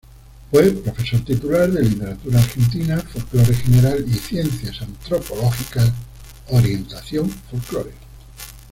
Fue profesor titular de Literatura Argentina, Folclore General y Ciencias Antropológicas, orientación folclore.